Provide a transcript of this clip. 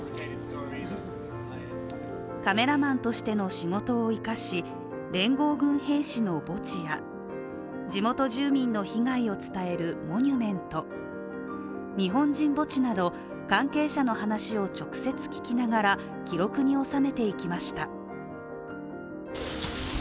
カメラマンとしての仕事を生かし連合軍兵士の墓地や地元住民の被害を伝えるモニュメント、日本人墓地など関係者の話を直接聞きながら記録に収めていきました。